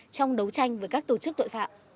trong đấu tranh với các tổ chức tội phạm